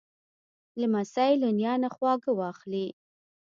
لمسی له نیا نه خواږه واخلې.